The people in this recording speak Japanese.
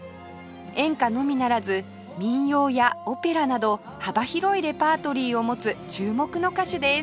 演歌のみならず民謡やオペラなど幅広いレパートリーを持つ注目の歌手です